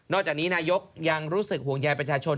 จากนี้นายกยังรู้สึกห่วงใยประชาชน